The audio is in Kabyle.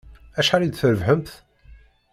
Acḥal i d-trebḥemt?